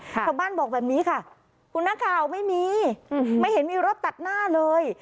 ชาวบ้านบอกแบบนี้ค่ะคุณนักข่าวไม่มีไม่เห็นมีรถตัดหน้าเลย